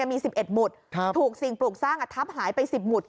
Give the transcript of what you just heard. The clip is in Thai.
มี๑๑หมุดถูกสิ่งปลูกสร้างทับหายไป๑๐หมุด